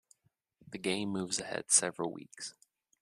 The game moves ahead several weeks.